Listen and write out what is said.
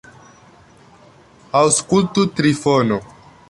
Aŭskultu, Trifono.